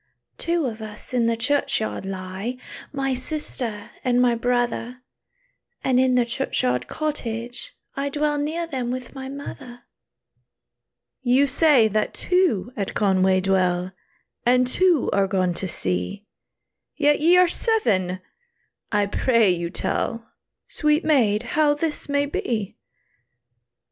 "Two of us in the churchyard lie, My sister and my brother; And in the churchyard cottage, I Dwell near them with my mother." "You say that two at Conway dwell, And two are gone to sea, Yet ye are seven! I pray you tell, Sweet maid, how this may be."